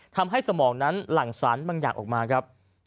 สมองนั้นหลั่งสรรบางอย่างออกมาครับ